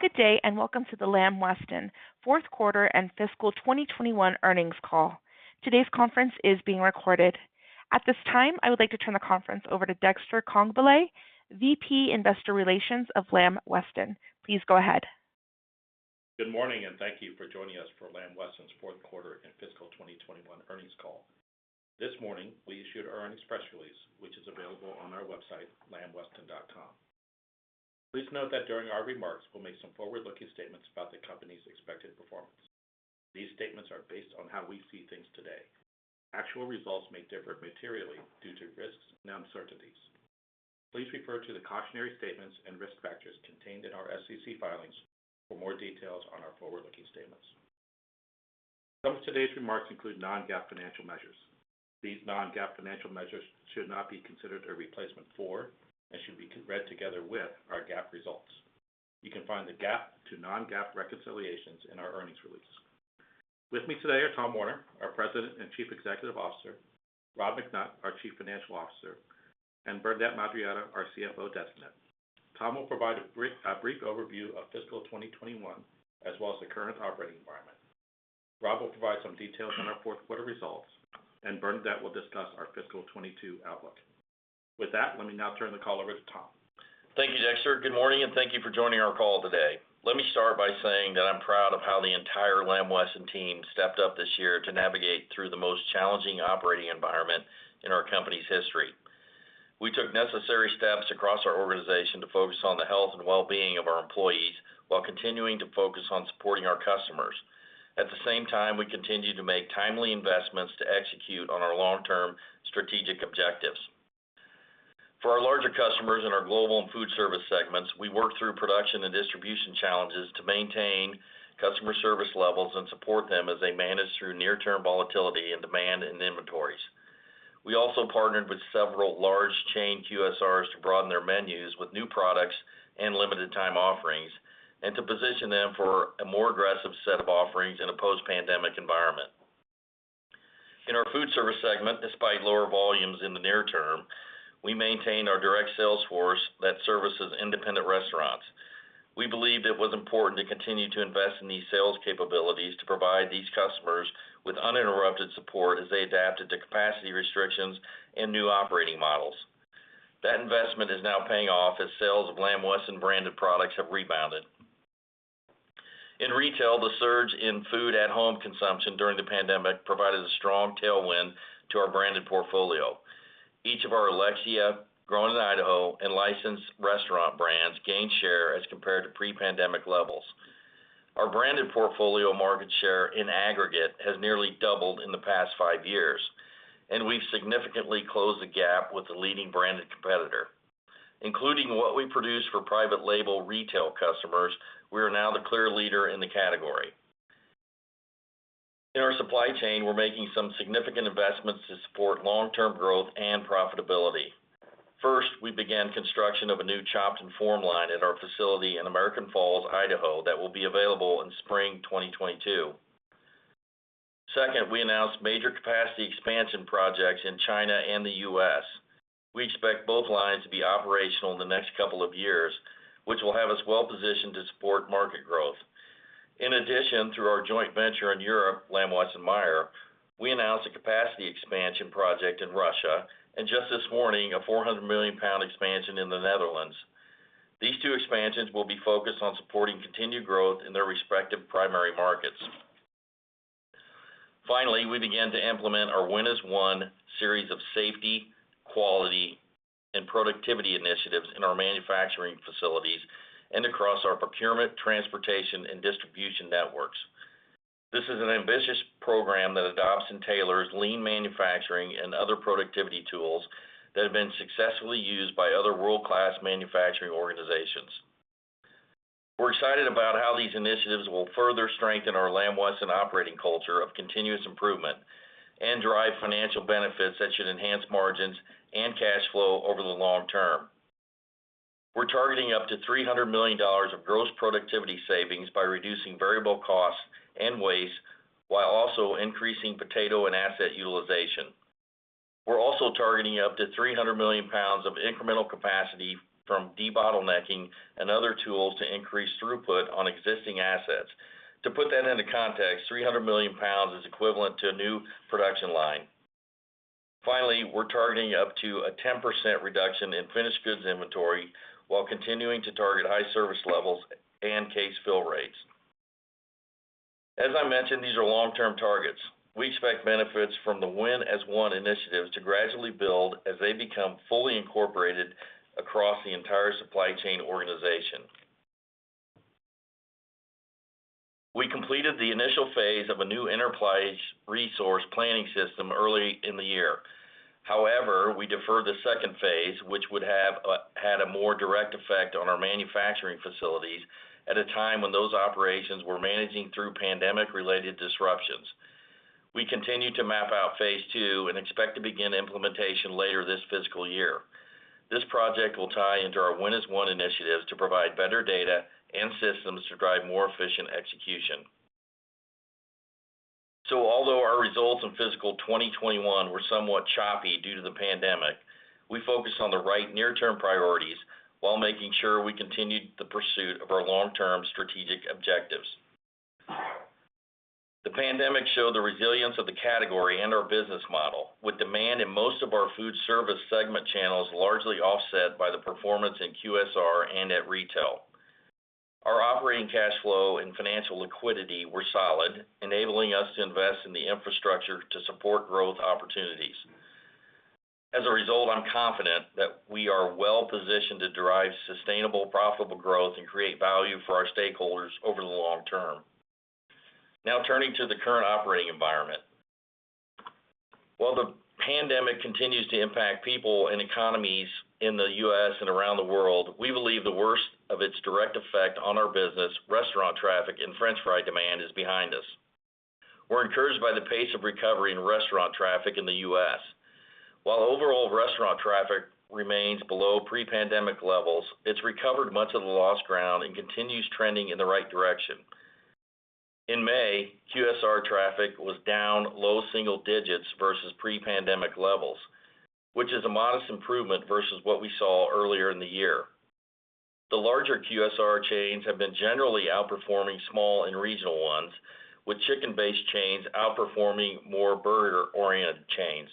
Good day, and welcome to the Lamb Weston fourth quarter and fiscal 2021 earnings call. Today's conference is being recorded. At this time, I would like to turn the conference over to Dexter Congbalay, VP Investor Relations of Lamb Weston. Please go ahead. Good morning, and thank you for joining us for Lamb Weston's fourth quarter and fiscal 2021 earnings call. This morning, we issued our earnings press release, which is available on our website, lambweston.com. Please note that during our remarks, we'll make some forward-looking statements about the company's expected performance. These statements are based on how we see things today. Actual results may differ materially due to risks and uncertainties. Please refer to the cautionary statements and risk factors contained in our SEC filings for more details on our forward-looking statements. Some of today's remarks include non-GAAP financial measures. These non-GAAP financial measures should not be considered a replacement for and should be read together with our GAAP results. You can find the GAAP to non-GAAP reconciliations in our earnings release. With me today are Tom Werner, our President and Chief Executive Officer, Robert McNutt, our Chief Financial Officer, and Bernadette Madarieta, our CFO Designate. Tom will provide a brief overview of fiscal 2021, as well as the current operating environment. Rob will provide some details on our fourth quarter results, and Bernadette will discuss our fiscal 2022 outlook. With that, let me now turn the call over to Tom. Thank you, Dexter. Good morning, thank you for joining our call today. Let me start by saying that I'm proud of how the entire Lamb Weston team stepped up this year to navigate through the most challenging operating environment in our company's history. We took necessary steps across our organization to focus on the health and wellbeing of our employees while continuing to focus on supporting our customers. At the same time, we continued to make timely investments to execute on our long-term strategic objectives. For our larger customers in our global and food service segments, we worked through production and distribution challenges to maintain customer service levels and support them as they manage through near-term volatility in demand and inventories. We also partnered with several large chain QSRs to broaden their menus with new products and limited time offerings and to position them for a more aggressive set of offerings in a post-pandemic environment. In our food service segment, despite lower volumes in the near term, we maintained our direct sales force that services independent restaurants. We believed it was important to continue to invest in these sales capabilities to provide these customers with uninterrupted support as they adapted to capacity restrictions and new operating models. That investment is now paying off as sales of Lamb Weston branded products have rebounded. In retail, the surge in food at-home consumption during the pandemic provided a strong tailwind to our branded portfolio. Each of our Alexia, Grown in Idaho, and licensed restaurant brands gained share as compared to pre-pandemic levels. Our branded portfolio market share in aggregate has nearly doubled in the past five years, and we've significantly closed the gap with the leading branded competitor. Including what we produce for private label retail customers, we are now the clear leader in the category. In our supply chain, we're making some significant investments to support long-term growth and profitability. First, we began construction of a new chopped and formed line at our facility in American Falls, Idaho, that will be available in spring 2022. Second, we announced major capacity expansion projects in China and the U.S. We expect both lines to be operational in the next couple of years, which will have us well positioned to support market growth. In addition, through our joint venture in Europe, Lamb Weston/Meijer, we announced a capacity expansion project in Russia, and just this morning, a 400 million pounds expansion in the Netherlands. These two expansions will be focused on supporting continued growth in their respective primary markets. We began to implement our Win as One series of safety, quality, and productivity initiatives in our manufacturing facilities and across our procurement, transportation, and distribution networks. This is an ambitious program that adopts and tailors lean manufacturing and other productivity tools that have been successfully used by other world-class manufacturing organizations. We're excited about how these initiatives will further strengthen our Lamb Weston operating culture of continuous improvement and drive financial benefits that should enhance margins and cash flow over the long term. We're targeting up to $300 million of gross productivity savings by reducing variable costs and waste while also increasing potato and asset utilization. We're also targeting up to 300 million pounds of incremental capacity from debottlenecking and other tools to increase throughput on existing assets. To put that into context, 300 million pounds is equivalent to a new production line. We're targeting up to a 10% reduction in finished goods inventory while continuing to target high service levels and case fill rates. As I mentioned, these are long-term targets. We expect benefits from the Win as One initiatives to gradually build as they become fully incorporated across the entire supply chain organization. We completed the initial phase of a new Enterprise Resource Planning system early in the year. We deferred the second phase, which would have had a more direct effect on our manufacturing facilities at a time when those operations were managing through pandemic-related disruptions. We continue to map out phase two and expect to begin implementation later this fiscal year. This project will tie into our Win as One initiatives to provide better data and systems to drive more efficient execution. Results in fiscal 2021 were somewhat choppy due to the pandemic. We focused on the right near-term priorities while making sure we continued the pursuit of our long-term strategic objectives. The pandemic showed the resilience of the category and our business model with demand in most of our food service segment channels largely offset by the performance in QSR and at retail. Our operating cash flow and financial liquidity were solid, enabling us to invest in the infrastructure to support growth opportunities. As a result, I'm confident that we are well positioned to derive sustainable, profitable growth and create value for our stakeholders over the long term. Turning to the current operating environment. While the pandemic continues to impact people and economies in the U.S. and around the world, we believe the worst of its direct effect on our business, restaurant traffic, and French fry demand is behind us. We're encouraged by the pace of recovery in restaurant traffic in the U.S. While overall restaurant traffic remains below pre-pandemic levels, it's recovered much of the lost ground and continues trending in the right direction. In May, QSR traffic was down low single digits versus pre-pandemic levels, which is a modest improvement versus what we saw earlier in the year. The larger QSR chains have been generally outperforming small and regional ones, with chicken-based chains outperforming more burger-oriented chains.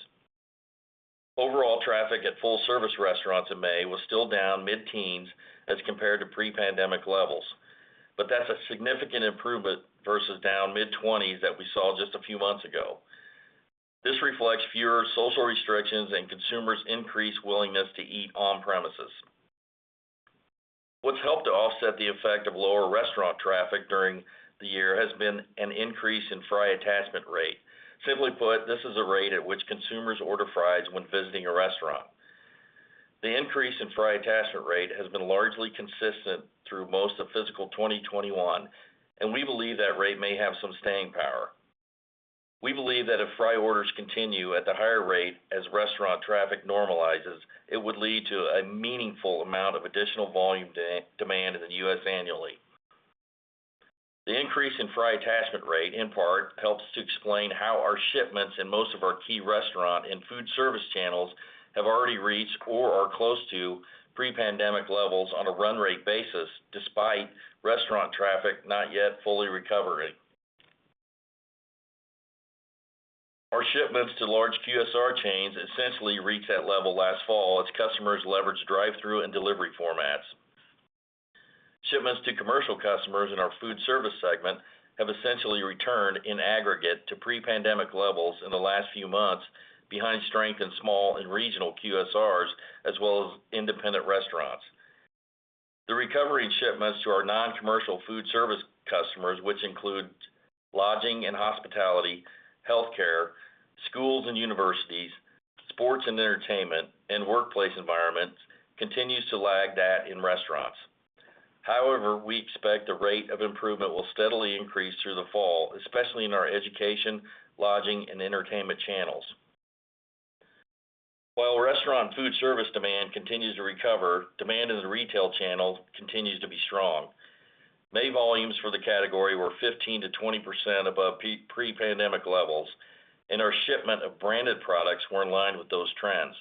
Overall traffic at full service restaurants in May was still down mid-teens as compared to pre-pandemic levels. That's a significant improvement versus down mid-20s that we saw just a few months ago. This reflects fewer social restrictions and consumers increased willingness to eat on premises. What's helped to offset the effect of lower restaurant traffic during the year has been an increase in fry attachment rate. Simply put, this is a rate at which consumers order fries when visiting a restaurant. The increase in fry attachment rate has been largely consistent through most of fiscal 2021, and we believe that rate may have some staying power. We believe that if fry orders continue at the higher rate as restaurant traffic normalizes, it would lead to a meaningful amount of additional volume demand in the U.S. annually. The increase in fry attachment rate, in part, helps to explain how our shipments in most of our key restaurant and food service channels have already reached or are close to pre-pandemic levels on a run rate basis, despite restaurant traffic not yet fully recovering. Our shipments to large QSR chains essentially reached that level last fall as customers leveraged drive-through and delivery formats. Shipments to commercial customers in our food service segment have essentially returned in aggregate to pre-pandemic levels in the last few months behind strength in small and regional QSRs, as well as independent restaurants. The recovery in shipments to our non-commercial food service customers, which include lodging and hospitality, healthcare, schools and universities, sports and entertainment, and workplace environments, continues to lag that in restaurants. However, we expect the rate of improvement will steadily increase through the fall, especially in our education, lodging, and entertainment channels. While restaurant food service demand continues to recover, demand in the retail channel continues to be strong. May volumes for the category were 15%-20% above pre-pandemic levels, and our shipment of branded products were in line with those trends.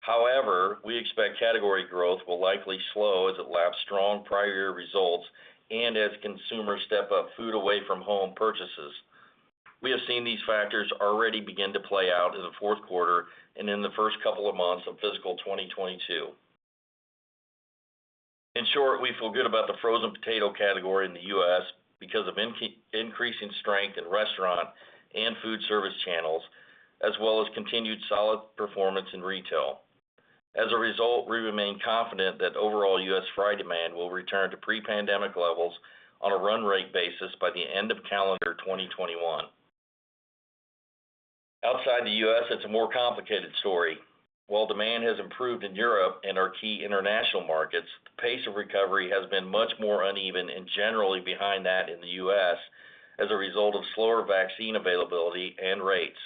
However, we expect category growth will likely slow as it laps strong prior year results and as consumers step up food away from home purchases. We have seen these factors already begin to play out in the fourth quarter and in the first couple of months of fiscal 2022. In short, we feel good about the frozen potato category in the U.S. because of increasing strength in restaurant and food service channels, as well as continued solid performance in retail. As a result, we remain confident that overall U.S. fry demand will return to pre-pandemic levels on a run rate basis by the end of calendar 2021. Outside the U.S., it's a more complicated story. While demand has improved in Europe and our key international markets, the pace of recovery has been much more uneven and generally behind that in the U.S. as a result of slower vaccine availability and rates.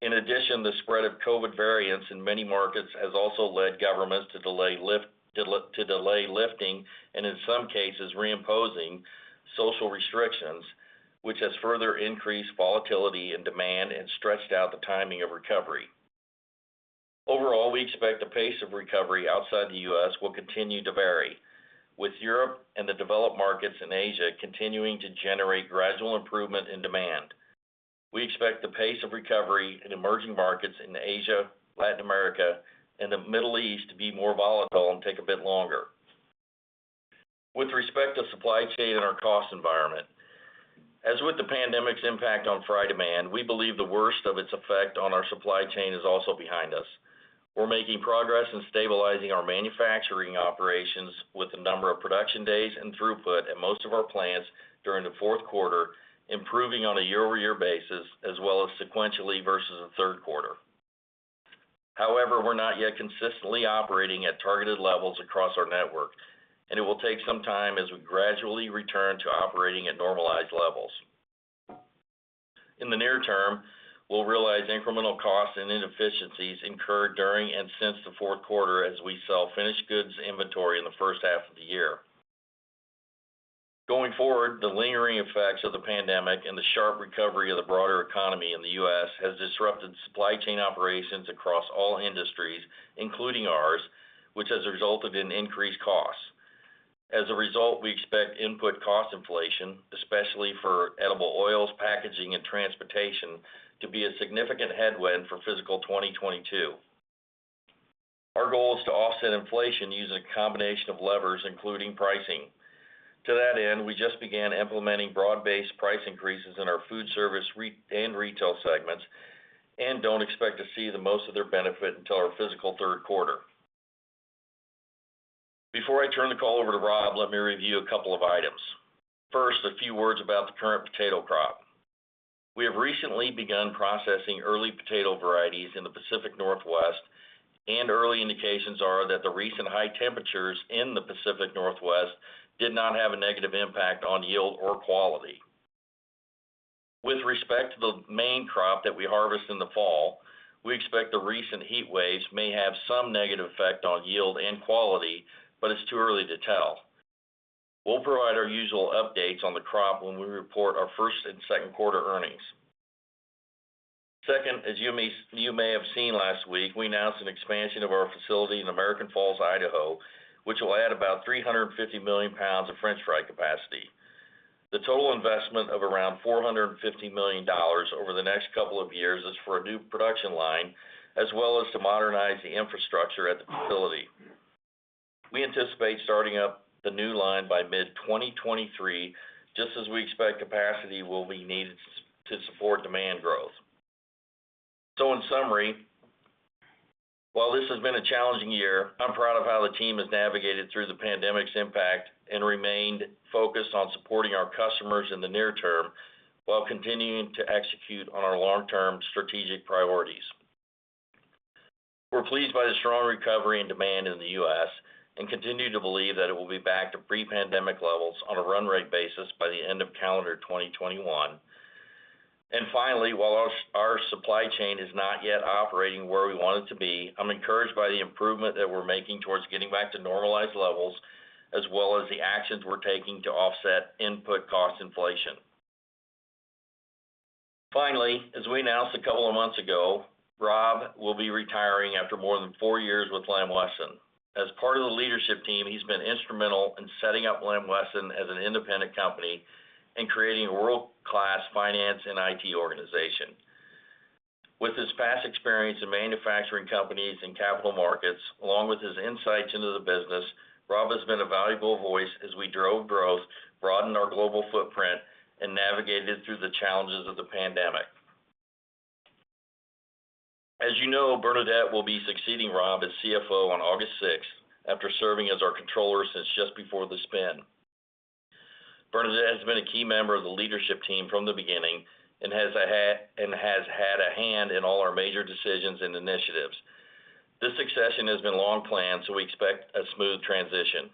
In addition, the spread of COVID variants in many markets has also led governments to delay lifting and, in some cases, reimposing social restrictions, which has further increased volatility and demand and stretched out the timing of recovery. Overall, we expect the pace of recovery outside the U.S. will continue to vary. With Europe and the developed markets in Asia continuing to generate gradual improvement in demand. We expect the pace of recovery in emerging markets in Asia, Latin America, and the Middle East to be more volatile and take a bit longer. With respect to supply chain and our cost environment, as with the pandemic's impact on fry demand, we believe the worst of its effect on our supply chain is also behind us. We're making progress in stabilizing our manufacturing operations with the number of production days and throughput at most of our plants during the fourth quarter improving on a year-over-year basis as well as sequentially versus the third quarter. We're not yet consistently operating at targeted levels across our network, and it will take some time as we gradually return to operating at normalized levels. In the near term, we'll realize incremental costs and inefficiencies incurred during and since the fourth quarter as we sell finished goods inventory in the first half of the year. The lingering effects of the pandemic and the sharp recovery of the broader economy in the U.S. has disrupted supply chain operations across all industries, including ours, which has resulted in increased costs. As a result, we expect input cost inflation, especially for edible oils, packaging, and transportation, to be a significant headwind for fiscal 2022. Our goal is to offset inflation using a combination of levers, including pricing. To that end, we just began implementing broad-based price increases in our food service and retail segments, and don't expect to see the most of their benefit until our fiscal third quarter. Before I turn the call over to Rob, let me review a couple of items. First, a few words about the current potato crop. We have recently begun processing early potato varieties in the Pacific Northwest, and early indications are that the recent high temperatures in the Pacific Northwest did not have a negative impact on yield or quality. With respect to the main crop that we harvest in the fall, we expect the recent heat waves may have some negative effect on yield and quality, but it's too early to tell. We'll provide our usual updates on the crop when we report our first and second quarter earnings. Second, as you may have seen last week, we announced an expansion of our facility in American Falls, Idaho, which will add about 350 million pounds of french fry capacity. The total investment of around $450 million over the next couple years is for a new production line, as well as to modernize the infrastructure at the facility. We anticipate starting up the new line by mid-2023, just as we expect capacity will be needed to support demand growth. In summary, while this has been a challenging year, I'm proud of how the team has navigated through the pandemic's impact and remained focused on supporting our customers in the near term while continuing to execute on our long-term strategic priorities. We're pleased by the strong recovery and demand in the U.S. and continue to believe that it will be back to pre-pandemic levels on a run rate basis by the end of calendar 2021. Finally, while our supply chain is not yet operating where we want it to be, I'm encouraged by the improvement that we're making towards getting back to normalized levels, as well as the actions we're taking to offset input cost inflation. Finally, as we announced a couple of months ago, Rob will be retiring after more than four years with Lamb Weston. As part of the leadership team, he's been instrumental in setting up Lamb Weston as an independent company and creating a world-class finance and IT organization. With his past experience in manufacturing companies and capital markets, along with his insights into the business, Rob has been a valuable voice as we drove growth, broadened our global footprint, and navigated through the challenges of the pandemic. As you know, Bernadette will be succeeding Rob as CFO on August 6th after serving as our controller since just before the spin. Bernadette has been a key member of the leadership team from the beginning and has had a hand in all our major decisions and initiatives. This succession has been long planned, we expect a smooth transition.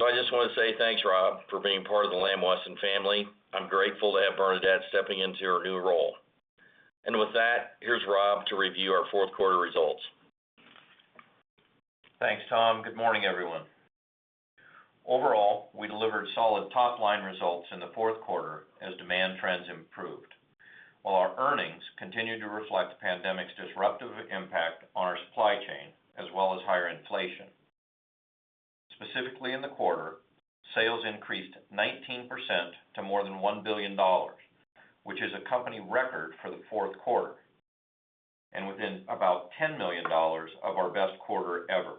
I just want to say thanks, Rob, for being part of the Lamb Weston family. I'm grateful to have Bernadette stepping into her new role. With that, here's Rob to review our fourth quarter results. Thanks, Tom. Good morning, everyone. Overall, we delivered solid top-line results in the fourth quarter as demand trends improved while our earnings continue to reflect the pandemic's disruptive impact on our supply chain, as well as higher inflation. Specifically in the quarter, sales increased 19% to more than $1 billion, which is a company record for the fourth quarter, and within about $10 million of our best quarter ever.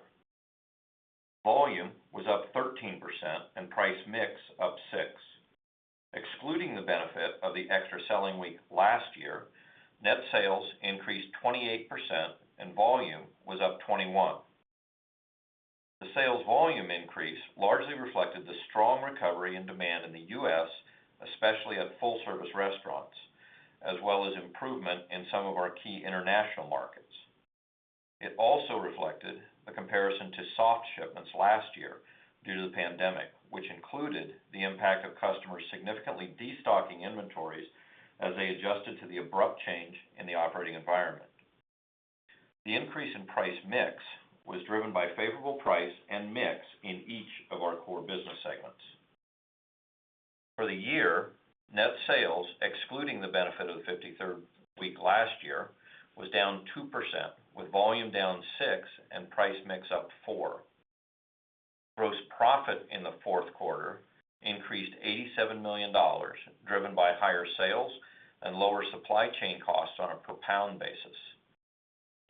Volume was up 13% and price mix up 6%. Excluding the benefit of the extra selling week last year, net sales increased 28% and volume was up 21%. The sales volume increase largely reflected the strong recovery and demand in the U.S., especially at full service restaurants, as well as improvement in some of our key international markets. It also reflected a comparison to soft shipments last year due to the pandemic, which included the impact of customers significantly destocking inventories as they adjusted to the abrupt change in the operating environment. The increase in price mix was driven by favorable price and mix in each of our core business segments. For the year, net sales, excluding the benefit of the 53rd week last year, was down 2%, with volume down 6% and price mix up 4%. Gross profit in the fourth quarter increased $87 million, driven by higher sales and lower supply chain costs on a per pound basis.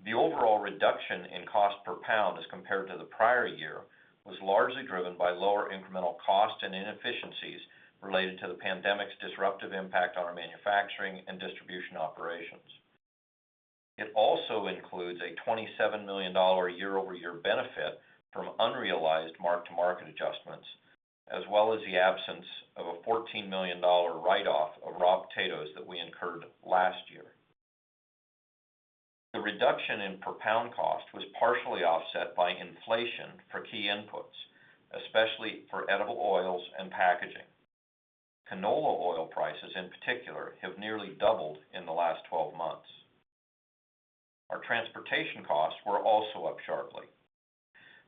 The overall reduction in cost per pound as compared to the prior year was largely driven by lower incremental cost and inefficiencies related to the pandemic's disruptive impact on our manufacturing and distribution operations. It also includes a $27 million year-over-year benefit from unrealized mark-to-market adjustments, as well as the absence of a $14 million write-off of raw potatoes that we incurred last year. The reduction in per pound cost was partially offset by inflation for key inputs, especially for edible oils and packaging. Canola oil prices, in particular, have nearly doubled in the last 12 months. Our transportation costs were also up sharply.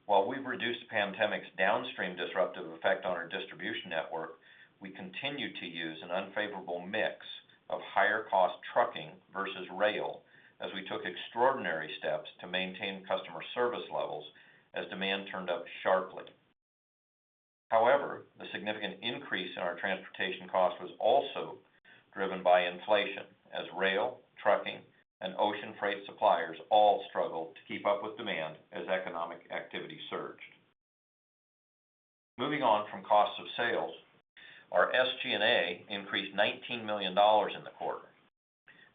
While we've reduced the pandemic's downstream disruptive effect on our distribution network, we continue to use an unfavorable mix of higher cost trucking versus rail as we took extraordinary steps to maintain customer service levels as demand turned up sharply. However, the significant increase in our transportation cost was also driven by inflation as rail, trucking, and ocean freight suppliers all struggle to keep up with demand as economic activity surged. Moving on from cost of sales, our SG&A increased $19 million in the quarter.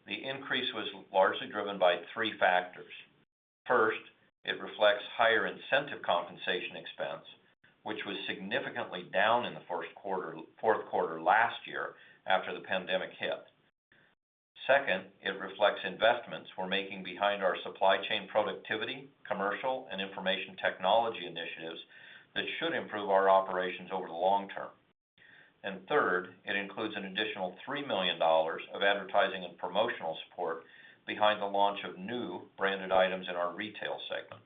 The increase was largely driven by three factors. First, it reflects higher incentive compensation expense, which was significantly down in the fourth quarter last year after the pandemic hit. Second, it reflects investments we're making behind our supply chain productivity, commercial, and information technology initiatives that should improve our operations over the long term. Third, it includes an additional $3 million of advertising and promotional support behind the launch of new branded items in our retail segment.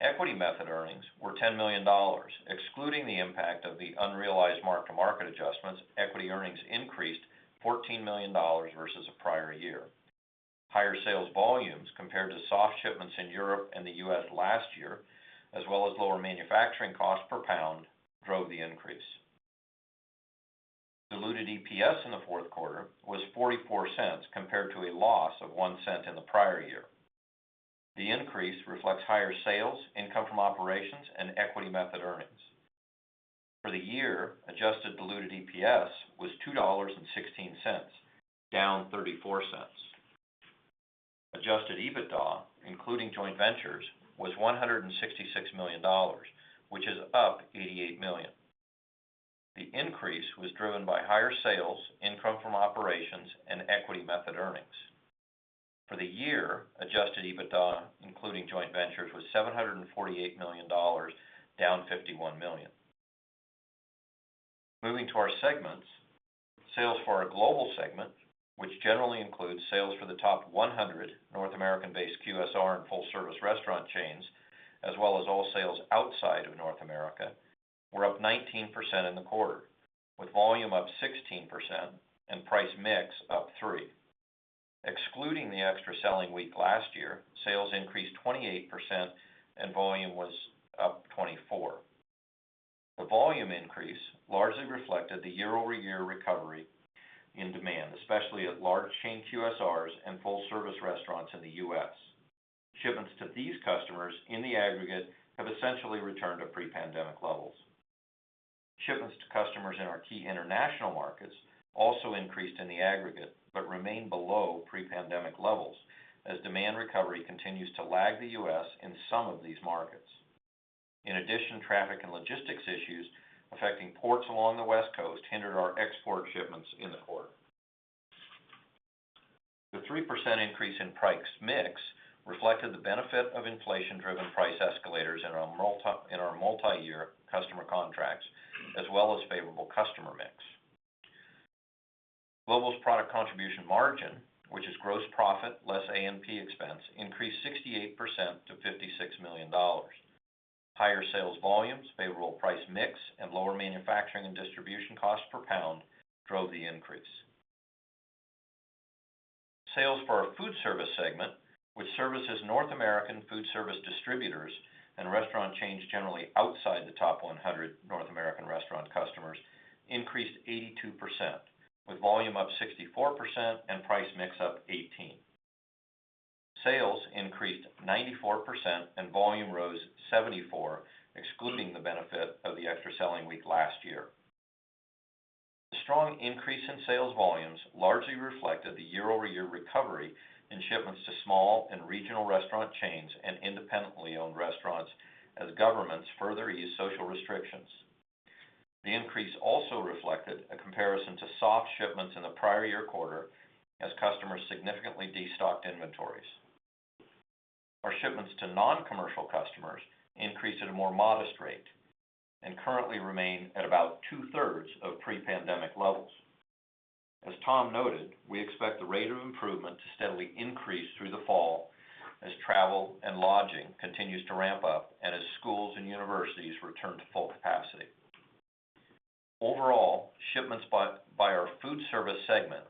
Equity method earnings were $10 million. Excluding the impact of the unrealized mark-to-market adjustments, equity earnings increased $14 million versus the prior year. Higher sales volumes compared to soft shipments in Europe and the U.S. last year, as well as lower manufacturing cost per pound, drove the increase. Diluted EPS in the fourth quarter was $0.44 compared to a loss of $0.01 in the prior year. The increase reflects higher sales, income from operations, and equity method earnings. For the year, adjusted diluted EPS was $2.16, down $0.34. Adjusted EBITDA, including joint ventures, was $166 million, which is up $88 million. The increase was driven by higher sales, income from operations, and equity method earnings. For the year, adjusted EBITDA, including joint ventures, was $748 million, down $51 million. Moving to our segments, sales for our global segment, which generally includes sales for the top 100 North American-based QSR and full-service restaurant chains, as well as all sales outside of North America, were up 19% in the quarter, with volume up 16% and price mix up 3%. Excluding the extra selling week last year, sales increased 28% and volume was up 24%. The volume increase largely reflected the year-over-year recovery in demand, especially at large chain QSRs and full-service restaurants in the U.S. Shipments to these customers in the aggregate have essentially returned to pre-pandemic levels. Shipments to customers in our key international markets also increased in the aggregate, but remain below pre-pandemic levels as demand recovery continues to lag the U.S. in some of these markets. In addition, traffic and logistics issues affecting ports along the West Coast hindered our export shipments in the quarter. The 3% increase in price mix reflected the benefit of inflation-driven price escalators in our multi-year customer contracts, as well as favorable customer mix. Global's product contribution margin, which is gross profit less A&P expense, increased 68% to $56 million. Higher sales volumes, favorable price mix, and lower manufacturing and distribution costs per pound drove the increase. Sales for our food service segment, which services North American food service distributors and restaurant chains generally outside the top 100 North American restaurant customers, increased 82%, with volume up 64% and price mix up 18%. Sales increased 94% and volume rose 74%, excluding the benefit of the extra selling week last year. The strong increase in sales volumes largely reflected the year-over-year recovery in shipments to small and regional restaurant chains and independently owned restaurants as governments further ease social restrictions. The increase also reflected a comparison to soft shipments in the prior year quarter as customers significantly destocked inventories. Our shipments to non-commercial customers increased at a more modest rate and currently remain at about two-thirds of pre-pandemic levels. As Tom noted, we expect the rate of improvement to steadily increase through the fall as travel and lodging continues to ramp up and as schools and universities return to full capacity. Shipments by our food service segment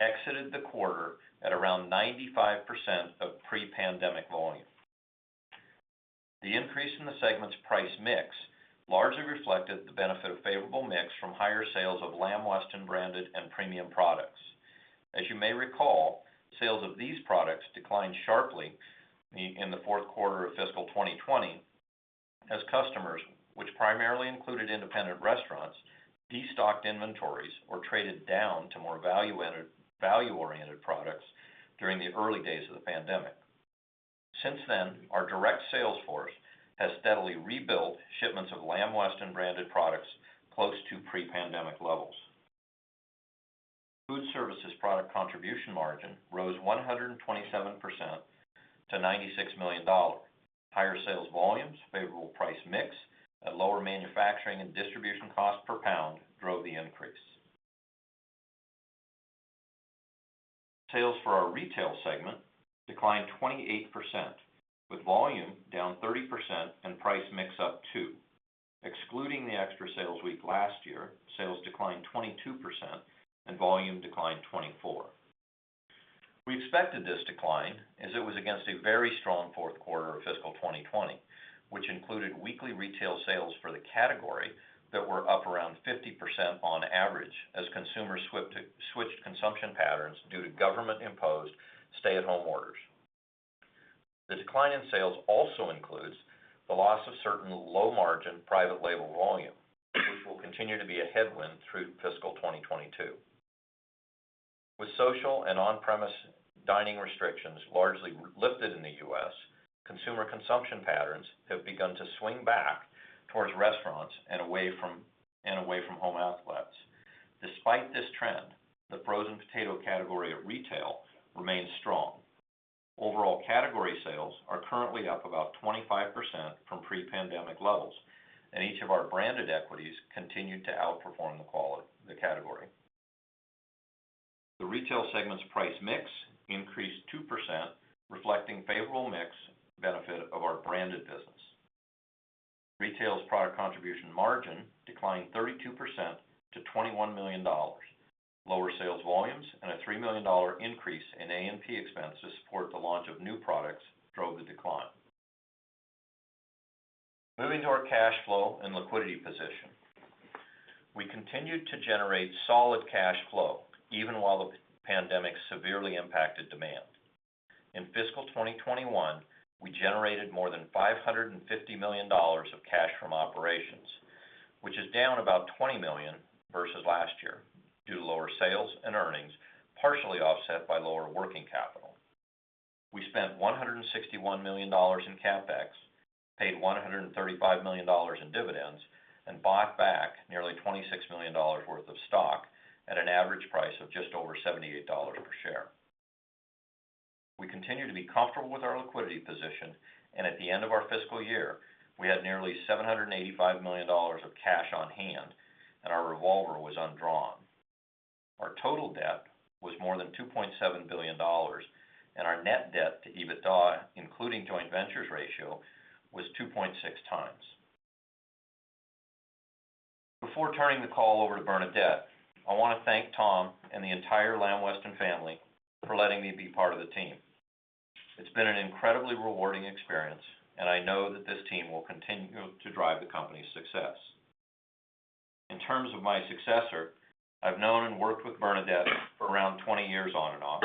exited the quarter at around 95% of pre-pandemic volume. The increase in the segment's price mix largely reflected the benefit of favorable mix from higher sales of Lamb Weston branded and premium products. As you may recall, sales of these products declined sharply in the fourth quarter of fiscal 2020 as customers, which primarily included independent restaurants, destocked inventories or traded down to more value-oriented products during the early days of the pandemic. Our direct sales force has steadily rebuilt shipments of Lamb Weston branded products close to pre-pandemic levels. Food service product contribution margin rose 127% to $96 million. Higher sales volumes, favorable price mix, and lower manufacturing and distribution cost per pound drove the increase. Sales for our retail segment declined 28%, with volume down 30% and price mix up 2%. Excluding the extra sales week last year, sales declined 22% and volume declined 24%. We expected this decline as it was against a very strong fourth quarter of fiscal 2020, which included weekly retail sales for the category that were up around 50% on average as consumers switched consumption patterns due to government-imposed stay-at-home orders. The decline in sales also includes the loss of certain low-margin private label volume, which will continue to be a headwind through fiscal 2022. With social and on-premise dining restrictions largely lifted in the U.S., consumer consumption patterns have begun to swing back towards restaurants and away from home outlets. Despite this trend, the frozen potato category of retail remains strong. Overall category sales are currently up about 25% from pre-pandemic levels, and each of our branded equities continued to outperform the category. The retail segment's price mix increased 2%, reflecting favorable mix benefit of our branded business. Retail's product contribution margin declined 32% to $21 million. Lower sales volumes and a $3 million increase in A&P expenses to support the launch of new products drove the decline. Moving to our cash flow and liquidity position. We continued to generate solid cash flow, even while the pandemic severely impacted demand. In fiscal 2021, we generated more than $550 million of cash from operations, which is down about $20 million versus last year due to lower sales and earnings, partially offset by lower working capital. We spent $161 million in CapEx, paid $135 million in dividends, and bought back nearly $26 million worth of stock at an average price of just over $78 per share. We continue to be comfortable with our liquidity position, and at the end of our fiscal year, we had nearly $785 million of cash on hand, and our revolver was undrawn. Our total debt was more than $2.7 billion, and our net debt to EBITDA, including joint ventures ratio, was 2.6 times. Before turning the call over to Bernadette, I want to thank Tom and the entire Lamb Weston family for letting me be part of the team. It's been an incredibly rewarding experience, and I know that this team will continue to drive the company's success. In terms of my successor, I've known and worked with Bernadette for around 20 years on and off,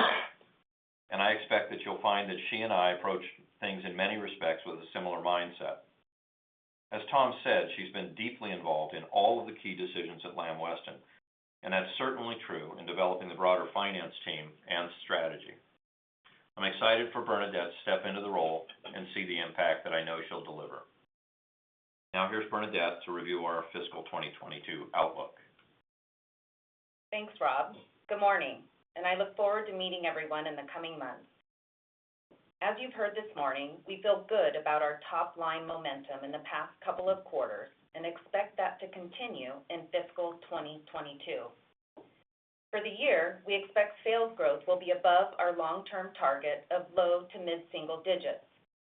and I expect that you'll find that she and I approach things in many respects with a similar mindset. As Tom said, she's been deeply involved in all of the key decisions at Lamb Weston, and that's certainly true in developing the broader finance team and strategy. I'm excited for Bernadette to step into the role and see the impact that I know she'll deliver. Now, here's Bernadette to review our fiscal 2022 outlook. Thanks, Rob. Good morning. I look forward to meeting everyone in the coming months. As you've heard this morning, we feel good about our top-line momentum in the past couple of quarters and expect that to continue in fiscal 2022. For the year, we expect sales growth will be above our long-term target of low to mid-single digits,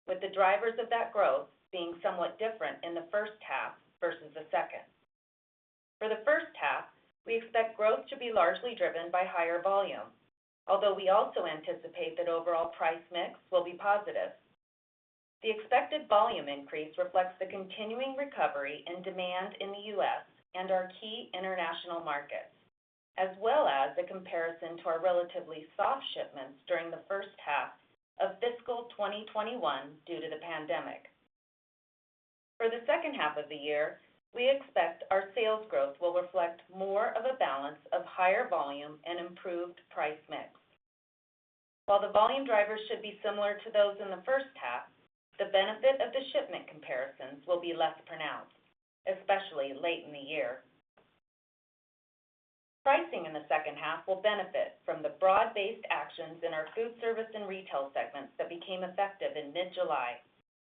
with the drivers of that growth being somewhat different in the first half versus the second. For the first half, we expect growth to be largely driven by higher volume, although we also anticipate that overall price mix will be positive. The expected volume increase reflects the continuing recovery in demand in the U.S. and our key international markets, as well as the comparison to our relatively soft shipments during the first half of fiscal 2021 due to the pandemic. For the second half of the year, we expect our sales growth will reflect more of a balance of higher volume and improved price mix. While the volume drivers should be similar to those in the first half, the benefit of the shipment comparisons will be less pronounced, especially late in the year. Pricing in the second half will benefit from the broad-based actions in our food service and retail segments that became effective in mid-July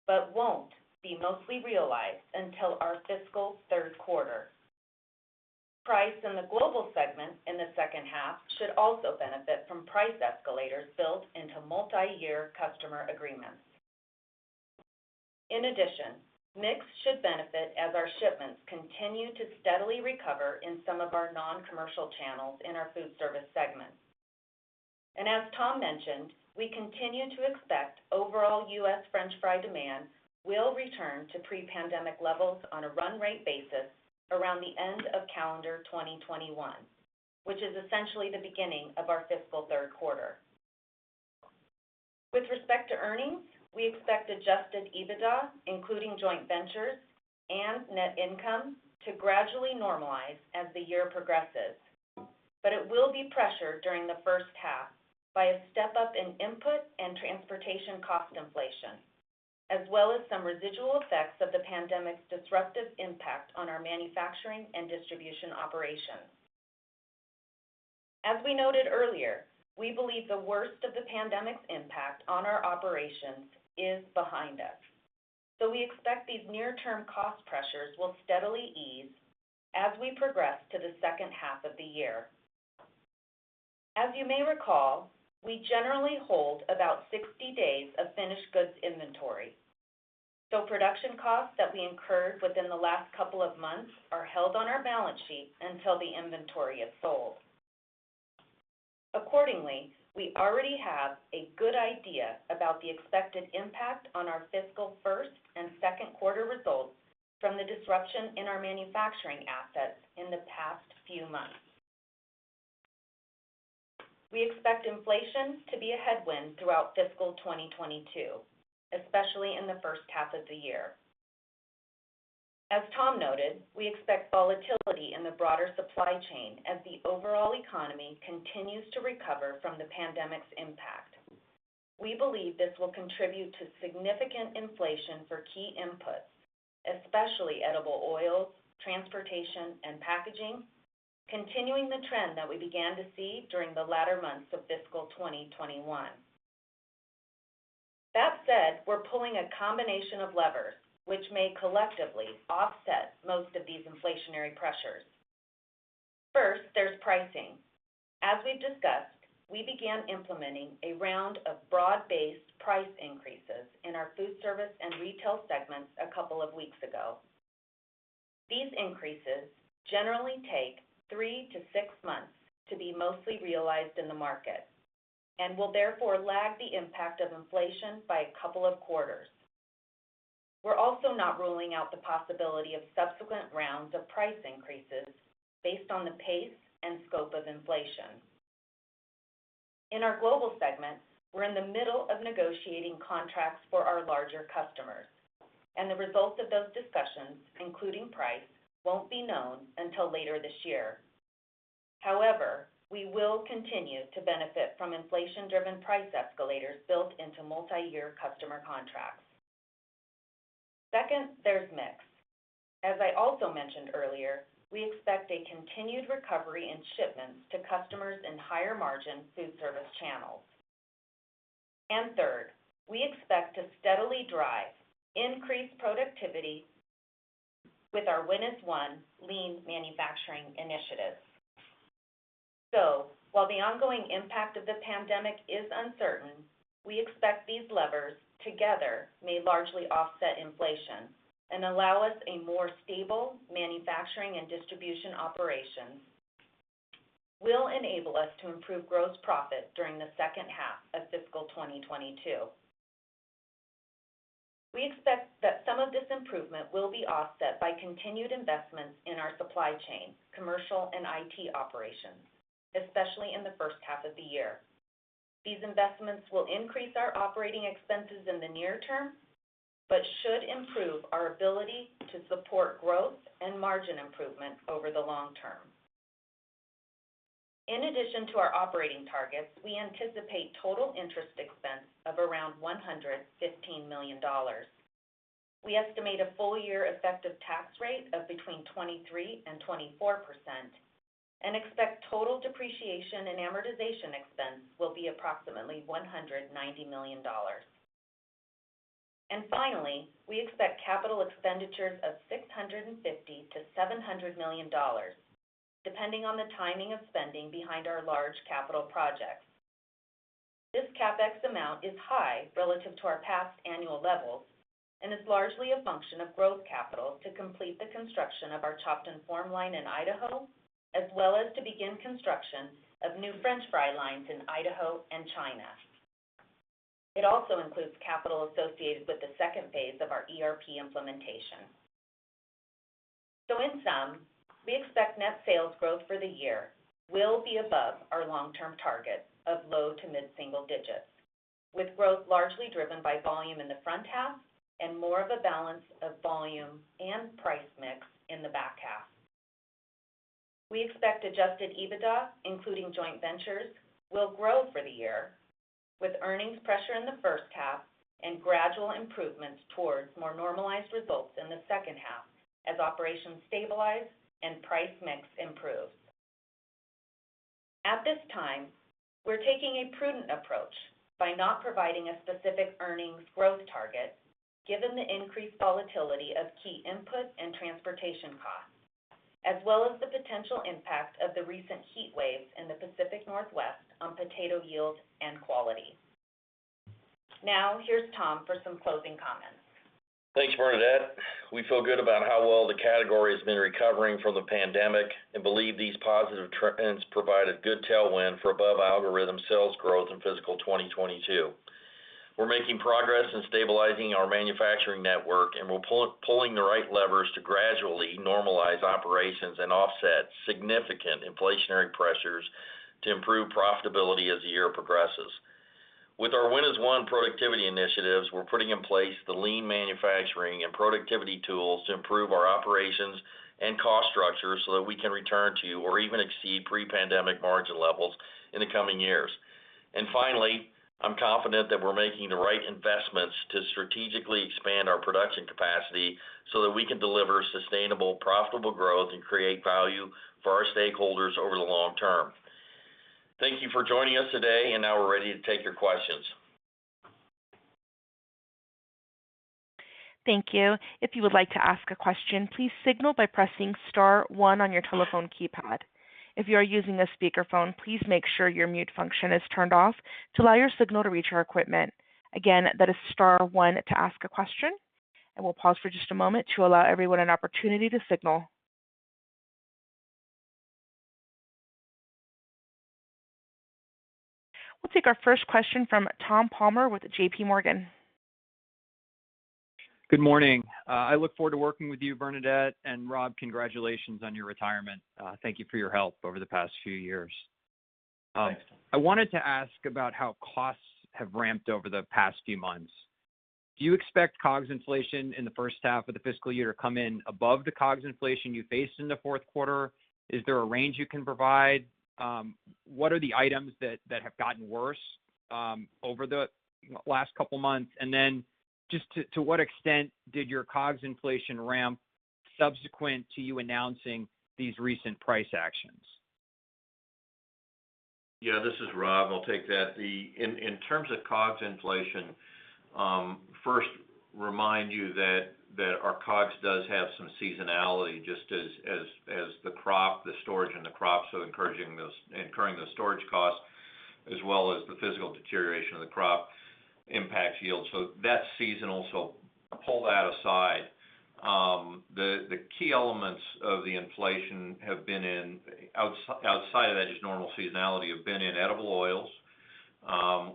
but won't be mostly realized until our fiscal third quarter. Price in the global segment in the second half should also benefit from price escalators built into multiyear customer agreements. In addition, mix should benefit as our shipments continue to steadily recover in some of our non-commercial channels in our food service segment. As Tom mentioned, we continue to expect overall U.S. french fry demand will return to pre-pandemic levels on a run rate basis around the end of calendar 2021, which is essentially the beginning of our fiscal third quarter. With respect to earnings, we expect adjusted EBITDA, including joint ventures and net income, to gradually normalize as the year progresses. It will be pressured during the first half by a step-up in input and transportation cost inflation, as well as some residual effects of the pandemic's disruptive impact on our manufacturing and distribution operations. As we noted earlier, we believe the worst of the pandemic's impact on our operations is behind us. We expect these near-term cost pressures will steadily ease as we progress to the second half of the year. As you may recall, we generally hold about 60 days of finished goods inventory, so production costs that we incurred within the last couple of months are held on our balance sheet until the inventory is sold. Accordingly, we already have a good idea about the expected impact on our fiscal first and second quarter results from the disruption in our manufacturing assets in the past few months. We expect inflation to be a headwind throughout fiscal 2022, especially in the first half of the year. As Tom noted, we expect volatility in the broader supply chain as the overall economy continues to recover from the pandemic's impact. We believe this will contribute to significant inflation for key inputs, especially edible oils, transportation, and packaging, continuing the trend that we began to see during the latter months of fiscal 2021. That said, we're pulling a combination of levers, which may collectively offset most of these inflationary pressures. First, there's pricing. As we've discussed, we began implementing a round of broad-based price increases in our foodservice and retail segments a couple of weeks ago. These increases generally take three months-six months to be mostly realized in the market and will therefore lag the impact of inflation by a couple of quarters. We're also not ruling out the possibility of subsequent rounds of price increases based on the pace and scope of inflation. In our global segment, we're in the middle of negotiating contracts for our larger customers, and the results of those discussions, including price, won't be known until later this year. However, we will continue to benefit from inflation-driven price escalators built into multi-year customer contracts. Second, there's mix. As I also mentioned earlier, we expect a continued recovery in shipments to customers in higher margin food service channels. Third, we expect to steadily drive increased productivity with our Win as One lean manufacturing initiative. While the ongoing impact of the pandemic is uncertain, we expect these levers together may largely offset inflation and allow us a more stable manufacturing and distribution operation, which will enable us to improve gross profit during the second half of fiscal 2022. We expect that some of this improvement will be offset by continued investments in our supply chain, commercial, and IT operations, especially in the first half of the year. These investments will increase our operating expenses in the near term but should improve our ability to support growth and margin improvement over the long term. In addition to our operating targets, we anticipate total interest expense of around $115 million. We estimate a full-year effective tax rate of between 23% and 24% and expect total depreciation and amortization expense will be approximately $190 million. Finally, we expect capital expenditures of $650 million-$700 million, depending on the timing of spending behind our large capital projects. This CapEx amount is high relative to our past annual levels and is largely a function of growth capital to complete the construction of our chopped and formed line in Idaho, as well as to begin construction of new french fry lines in Idaho and China. It also includes capital associated with the second phase of our ERP implementation. In sum, we expect net sales growth for the year will be above our long-term target of low to mid-single-digits, with growth largely driven by volume in the front half and more of a balance of volume and price mix in the back half. We expect adjusted EBITDA, including joint ventures, will grow for the year, with earnings pressure in the first half and gradual improvements towards more normalized results in the second half as operations stabilize and price mix improves. At this time, we're taking a prudent approach by not providing a specific earnings growth target given the increased volatility of key input and transportation costs, as well as the potential impact of the recent heat waves in the Pacific Northwest on potato yield and quality. Here's Tom for some closing comments. Thanks, Bernadette. We feel good about how well the category has been recovering from the pandemic and believe these positive trends provide a good tailwind for above algorithm sales growth in fiscal 2022. We're making progress in stabilizing our manufacturing network, and we're pulling the right levers to gradually normalize operations and offset significant inflationary pressures to improve profitability as the year progresses. With our Win as One productivity initiatives, we're putting in place the lean manufacturing and productivity tools to improve our operations and cost structure so that we can return to or even exceed pre-pandemic margin levels in the coming years. Finally, I'm confident that we're making the right investments to strategically expand our production capacity so that we can deliver sustainable, profitable growth and create value for our stakeholders over the long term. Thank you for joining us today. Now we're ready to take your questions. Thank you. If you would like to ask a question, please signal by pressing star one on your telephone keypad. If you are using a speakerphone, please make sure your mute function is turned off to allow your signal to reach our equipment. Again, that is star one to ask a question, and we'll pause for just a moment to allow everyone an opportunity to signal. We'll take our first question from Tom Palmer with JPMorgan. Good morning. I look forward to working with you, Bernadette. Rob, congratulations on your retirement. Thank you for your help over the past few years. Thanks, Tom. I wanted to ask about how costs have ramped over the past few months. Do you expect COGS inflation in the first half of the fiscal year to come in above the COGS inflation you faced in the fourth quarter? Is there a range you can provide? What are the items that have gotten worse over the last couple of months? Just to what extent did your COGS inflation ramp subsequent to you announcing these recent price actions? Yeah, this is Rob. I'll take that. In terms of COGS inflation, first remind you that our COGS does have some seasonality just as the crop, the storage and the crop, so incurring the storage cost as well as the physical deterioration of the crop impacts yield. That's seasonal, so pull that aside. The key elements of the inflation have been in, outside of that just normal seasonality, have been in edible oils,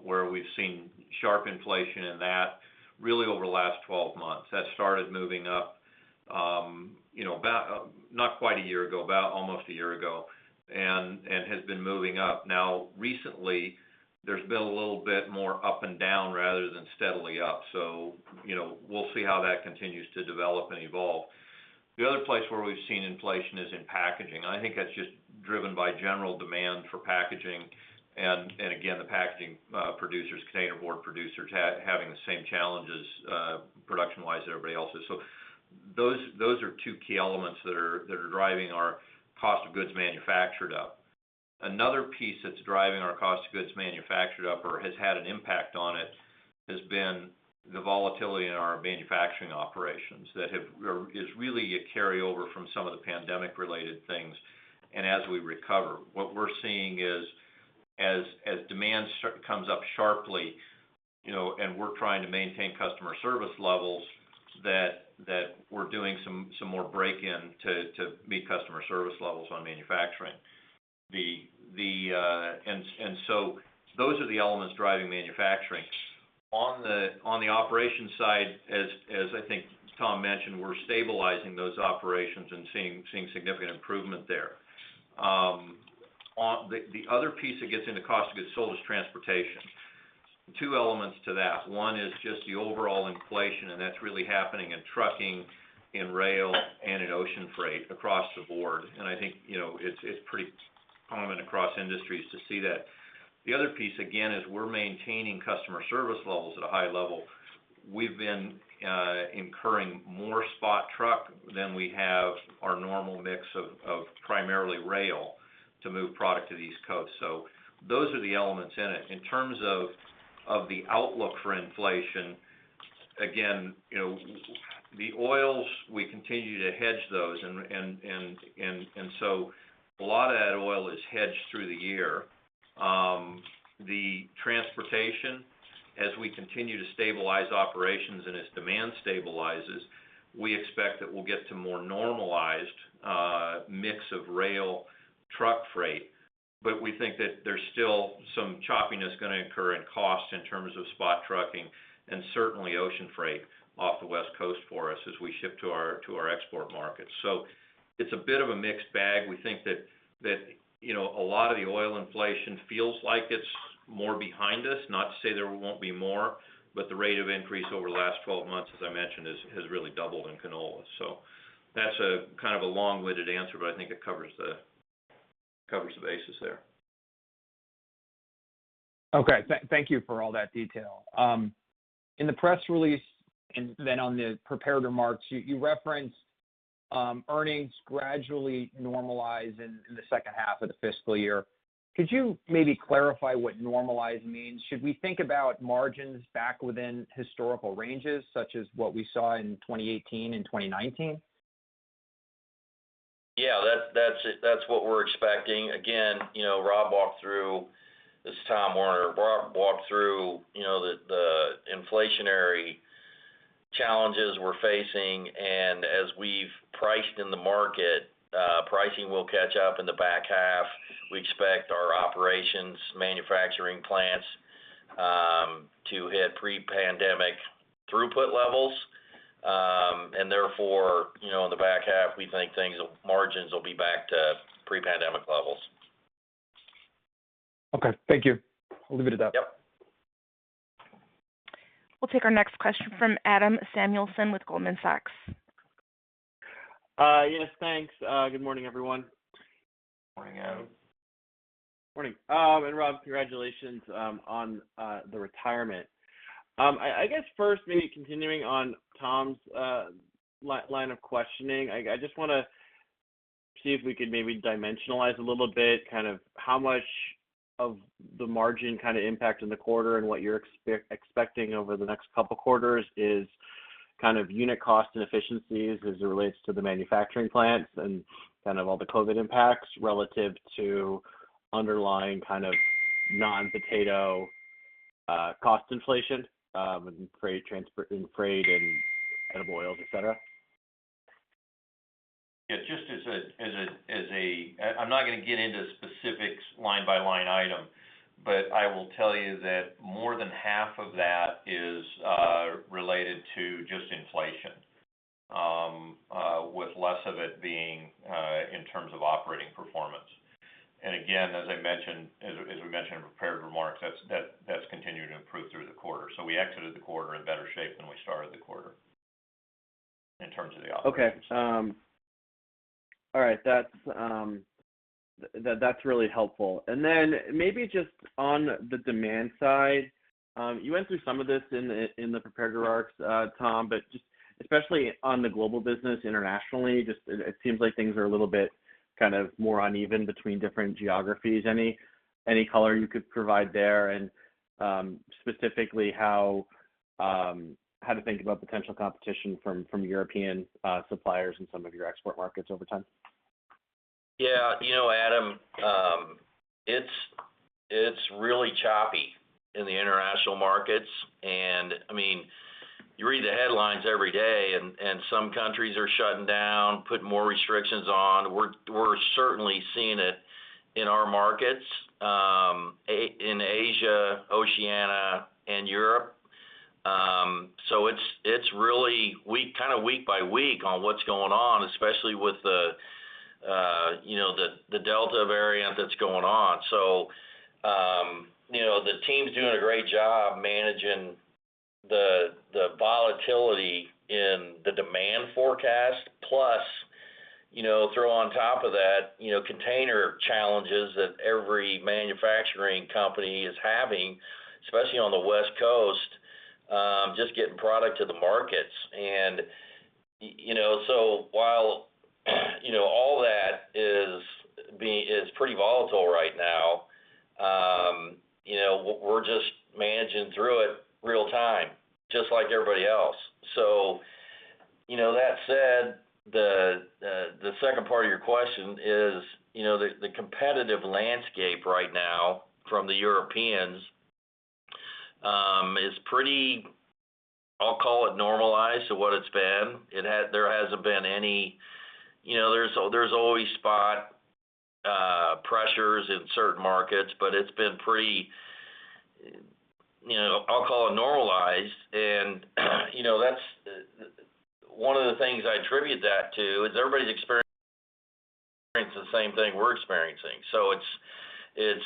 where we've seen sharp inflation in that really over the last 12 months. That started moving up not quite a year ago, about almost a year ago, and has been moving up. Recently, there's been a little bit more up and down rather than steadily up. We'll see how that continues to develop and evolve. The other place where we've seen inflation is in packaging. I think that's just driven by general demand for packaging and, again, the packaging producers, containerboard producers having the same challenges production-wise that everybody else is. Those are two key elements that are driving our cost of goods manufactured up. Another piece that's driving our cost of goods manufactured up or has had an impact on it has been the volatility in our manufacturing operations that is really a carryover from some of the pandemic related things. As we recover, what we're seeing is as demand comes up sharply, and we're trying to maintain customer service levels that we're doing some more break-in to meet customer service levels on manufacturing. Those are the elements driving manufacturing. On the operations side, as I think Tom mentioned, we're stabilizing those operations and seeing significant improvement there. The other piece that gets into cost of goods sold is transportation. Two elements to that. One is just the overall inflation, and that's really happening in trucking, in rail, and in ocean freight across the board. I think it's pretty common across industries to see that. The other piece, again, is we're maintaining customer service levels at a high level. We've been incurring more spot truck than we have our normal mix of primarily rail to move product to the East Coast. Those are the elements in it. In terms of the outlook for inflation, again, the oils, we continue to hedge those. A lot of that oil is hedged through the year. The transportation, as we continue to stabilize operations and as demand stabilizes, we expect that we'll get to more normalized mix of rail truck freight. We think that there's still some choppiness going to occur in cost in terms of spot trucking and certainly ocean freight off the West Coast for us as we ship to our export markets. It's a bit of a mixed bag. We think that a lot of the oil inflation feels like it's more behind us. Not to say there won't be more, but the rate of increase over the last 12 months, as I mentioned, has really doubled in canola. That's kind of a long-winded answer, but I think it covers the bases there. Okay. Thank you for all that detail. In the press release and then on the prepared remarks, you referenced earnings gradually normalizing in the second half of the fiscal year. Could you maybe clarify what normalize means? Should we think about margins back within historical ranges such as what we saw in 2018 and 2019? Yeah, that's what we're expecting. Rob walked through, this is Tom Werner. Rob walked through the inflationary challenges we're facing. As we've priced in the market, pricing will catch up in the back half. We expect our operations, manufacturing plants to hit pre-pandemic throughput levels. Therefore, in the back half, we think margins will be back to pre-pandemic levels. Okay. Thank you. I'll leave it at that. We'll take our next question from Adam Samuelson with Goldman Sachs. Yes, thanks. Good morning, everyone. Morning Adam. Morning. Rob, congratulations on the retirement. I guess first maybe continuing on Tom's line of questioning, I just want to see if we could maybe dimensionalize a little bit how much of the margin impact in the quarter and what you're expecting over the next couple quarters is unit cost and efficiencies as it relates to the manufacturing plants and all the COVID impacts relative to underlying non-potato cost inflation and freight and edible oils, et cetera? Yeah. I'm not going to get into specifics line-by-line item, but I will tell you that more than half of that is related to just inflation, with less of it being in terms of operating performance. Again, as we mentioned in prepared remarks, that's continuing to improve through the quarter. We exited the quarter in better shape than we started the quarter in terms of the operations. Okay. All right. That's really helpful. Then maybe just on the demand side, you went through some of this in the prepared remarks, Tom, but just especially on the global business internationally, just it seems like things are a little bit more uneven between different geographies. Any color you could provide there? Specifically, how to think about potential competition from European suppliers in some of your export markets over time? Yeah. Adam, it's really choppy in the international markets. You read the headlines every day and some countries are shutting down, putting more restrictions on. We're certainly seeing it in our markets, in Asia, Oceania, and Europe. It's really week by week on what's going on, especially with the Delta variant that's going on. The team's doing a great job managing the volatility in the demand forecast. Plus, throw on top of that container challenges that every manufacturing company is having, especially on the West Coast, just getting product to the markets. While all that is pretty volatile right now, we're just managing through it real time, just like everybody else. That said, the second part of your question is the competitive landscape right now from the Europeans is pretty, I'll call it normalized to what it's been. There's always spot pressures in certain markets, but it's been pretty, I'll call it normalized. One of the things I attribute that to is everybody's experiencing the same thing we're experiencing. It's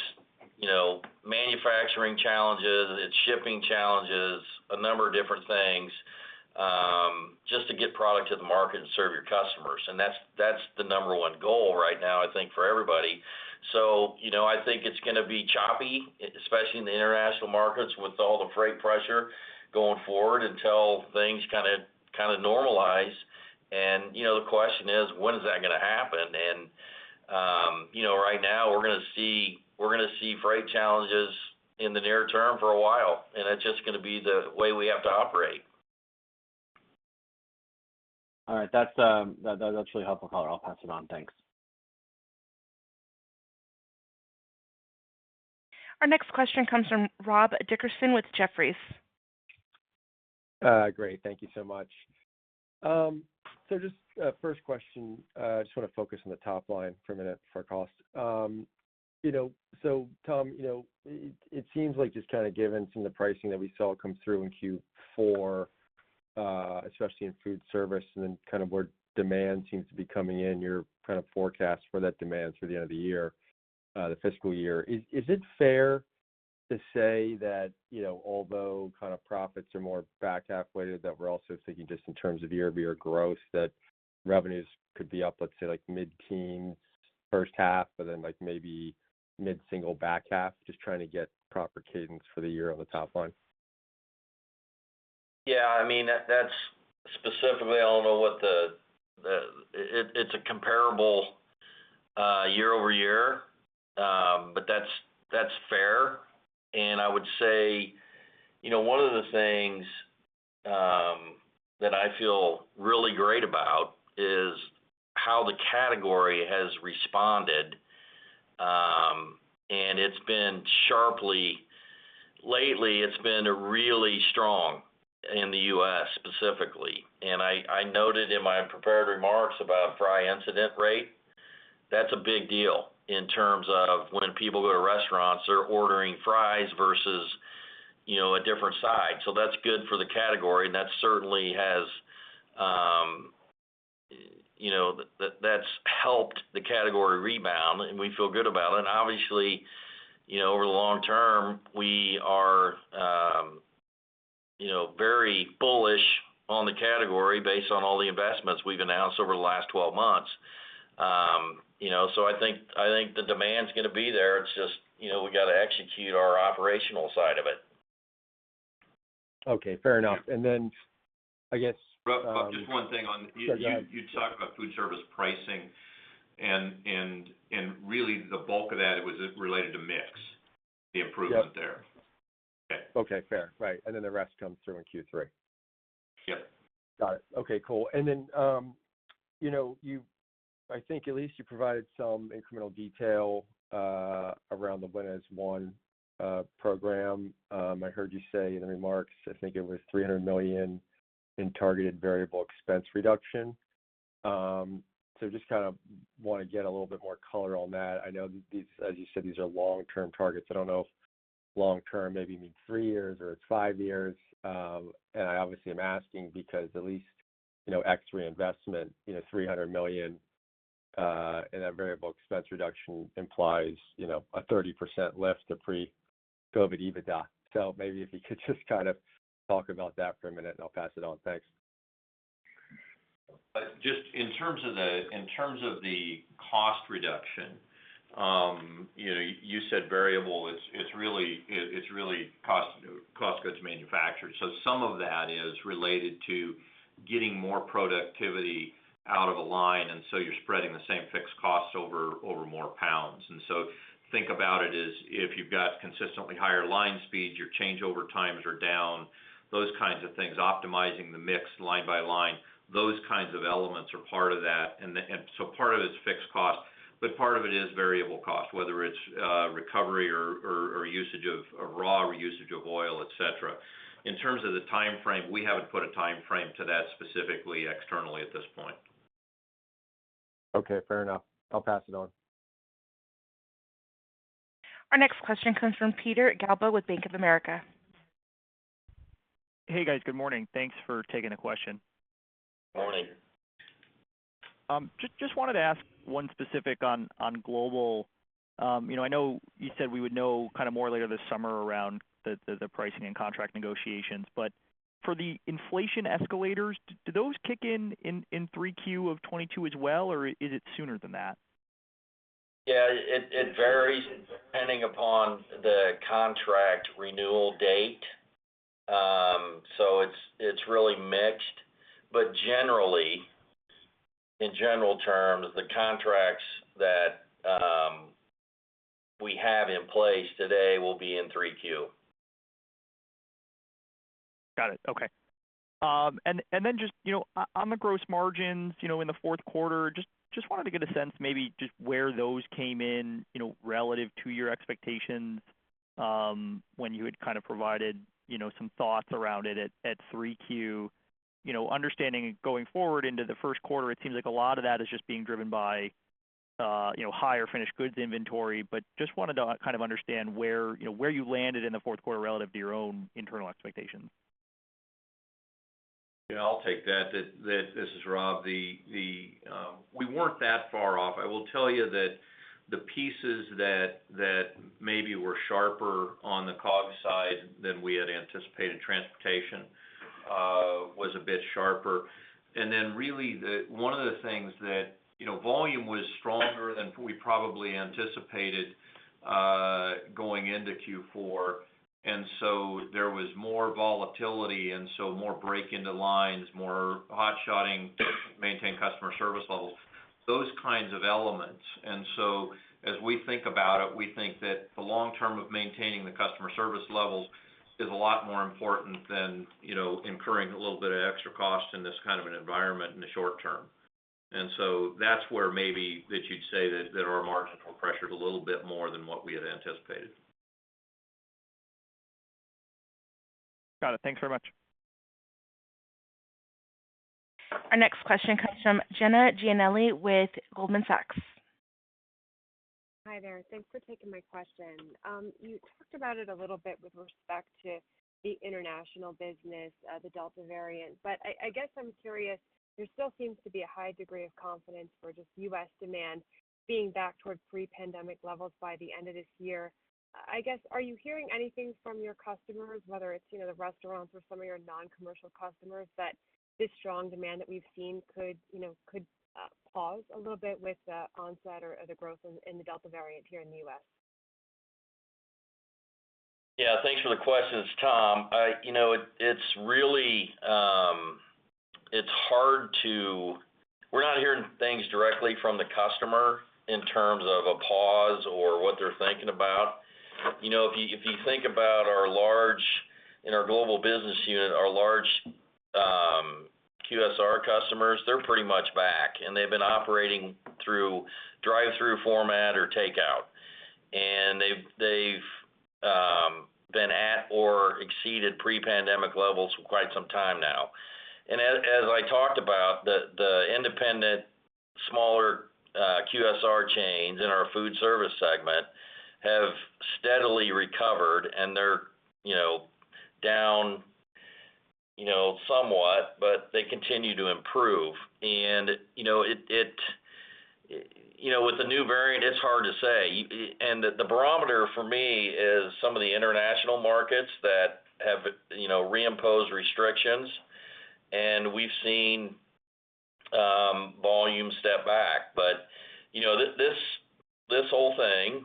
manufacturing challenges, it's shipping challenges, a number of different things, just to get product to the market and serve your customers. That's the number one goal right now, I think, for everybody. I think it's going to be choppy, especially in the international markets with all the freight pressure going forward until things normalize. The question is, when is that going to happen? Right now we're going to see freight challenges in the near term for a while, and it's just going to be the way we have to operate. All right. That's a really helpful color. I'll pass it on. Thanks. Our next question comes from Rob Dickerson with Jefferies. Great. Thank you so much. Just a first question, I just want to focus on the top line for a minute before cost. Tom, it seems like just given some of the pricing that we saw come through in Q4, especially in foodservice, and then where demand seems to be coming in, your forecast for that demand through the end of the fiscal year, is it fair to say that although profits are more back half weighted, that we're also thinking just in terms of year-over-year growth, that revenues could be up, let's say, like mid-teens first half, then maybe mid-single back half? I'm just trying to get proper cadence for the year on the top line. Yeah. Specifically, I don't know what the-- It's a comparable year-over-year. That's fair. I would say one of the things that I feel really great about is how the category has responded. Lately it's been really strong in the U.S. specifically. I noted in my prepared remarks about fry incidence rate. That's a big deal in terms of when people go to restaurants, they're ordering fries versus a different side. That's good for the category, that certainly has helped the category rebound, We feel good about it. Obviously, over the long term, we are very bullish on the category based on all the investments we've announced over the last 12 months. I think the demand's going to be there. It's just, we got to execute our operational side of it. Okay, fair enough. Rob, just one thing. Sure, yeah. You talked about food service pricing and really the bulk of that was related to mix, the improvement there. Yep. Okay. Okay, fair. Right. Then the rest comes through in Q3? Yep. Got it. Okay, cool. I think at least you provided some incremental detail around the Win as One program. I heard you say in the remarks, I think it was $300 million in targeted variable expense reduction. I kind of want to get a little bit more color on that. I know these, as you said, these are long-term targets. I don't know if long term maybe means three years or it's five years. I obviously am asking because at least, ex reinvestment, $300 million in that variable expense reduction implies a 30% lift to pre-COVID EBITDA. Maybe if you could just kind of talk about that for a minute and I'll pass it on. Thanks. Just in terms of the cost reduction, you said variable, it's really cost goods manufactured. Some of that is related to getting more productivity out of a line, you're spreading the same fixed cost over more pounds. Think about it as if you've got consistently higher line speeds, your changeover times are down, those kinds of things, optimizing the mix line by line. Those kinds of elements are part of that. Part of it's fixed cost, part of it is variable cost, whether it's recovery or usage of raw or usage of oil, et cetera. In terms of the timeframe, we haven't put a timeframe to that specifically externally at this point. Okay, fair enough. I'll pass it on. Our next question comes from Peter Galbo with Bank of America. Hey, guys. Good morning. Thanks for taking a question. Morning. Just wanted to ask one specific on global. You know, I know you said we'd have more clarity later this summer around pricing and contract negotiations. For the inflation escalators, do those kick in 3Q of 2022 as well, or is it sooner than that? Yeah, it varies depending upon the contract renewal date. It's really mixed, but generally, in general terms, the contracts that we have in place today will be in 3Q. Got it. Okay. Just on the gross margins, in the fourth quarter, just wanted to get a sense maybe just where those came in, relative to your expectations, when you had kind of provided some thoughts around it at 3Q. Understanding going forward into the first quarter, it seems like a lot of that is just being driven by higher finished goods inventory. Just wanted to kind of understand where you landed in the fourth quarter relative to your own internal expectations. Yeah, I'll take that. This is Rob. We weren't that far off. I will tell you that the pieces that maybe were sharper on the COGS side than we had anticipated, transportation was a bit sharper. Really one of the things that volume was stronger than we probably anticipated going into Q4, there was more volatility and so more break into lines, more hot shotting to maintain customer service levels, those kinds of elements. As we think about it, we think that the long term of maintaining the customer service levels is a lot more important than incurring a little bit of extra cost in this kind of an environment in the short term. That's where maybe that you'd say that our margins were pressured a little bit more than what we had anticipated. Got it. Thanks very much. Our next question comes from Jenna Giannelli with Goldman Sachs. Hi there. Thanks for taking my question. You talked about it a little bit with respect to the international business, the Delta variant, but I guess I'm curious, there still seems to be a high degree of confidence for just U.S. demand being back towards pre-pandemic levels by the end of this year. I guess, are you hearing anything from your customers, whether it's the restaurants or some of your non-commercial customers, that this strong demand that we've seen could pause a little bit with the onset or the growth in the Delta variant here in the U.S.? Yeah. Thanks for the question. It's Tom. We're not hearing things directly from the customer in terms of a pause or what they're thinking about. If you think about our large, in our global business unit, our large QSR customers, they're pretty much back, and they've been operating through drive-through format or takeout. They've been at or exceeded pre-pandemic levels for quite some time now. As I talked about, the independent, smaller QSR chains and our food service segment have steadily recovered and they're down somewhat, but they continue to improve. With the new variant, it's hard to say. The barometer for me is some of the international markets that have re-imposed restrictions. We've seen volume step back. This whole thing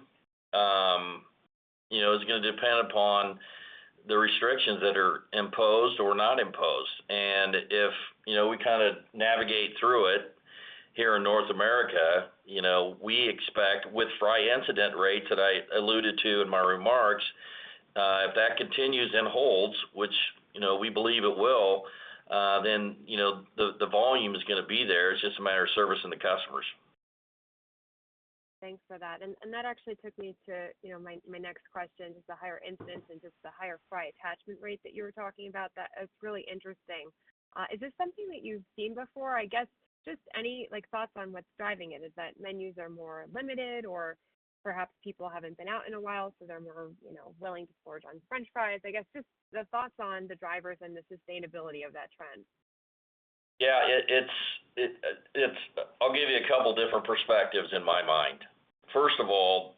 is going to depend upon the restrictions that are imposed or not imposed. If we navigate through it here in North America, we expect with fry incidence rates that I alluded to in my remarks, if that continues and holds, which we believe it will, then the volume is going to be there. It's just a matter of servicing the customers. Thanks for that. That actually took me to my next question. Just the higher incidence and just the higher fry attachment rate that you were talking about, that is really interesting. Is this something that you've seen before? I guess just any thoughts on what's driving it. Is that menus are more limited or perhaps people haven't been out in a while, so they're more willing to splurge on french fries, I guess just the thoughts on the drivers and the sustainability of that trend? Yeah. I'll give you a couple different perspectives in my mind. First of all,